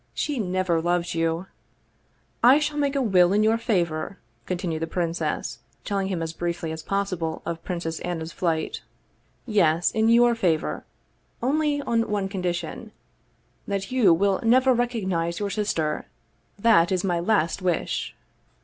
She never loved you !"" I shall make a will in your favor," continued the prin cess, telling him as briefly as possible of Princess Anna's flight. " Yes, in your favor only on one condition : that you will never recognize your sister. That is my last wish!"